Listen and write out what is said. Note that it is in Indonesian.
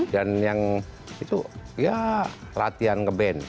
dan yang itu ya latihan nge band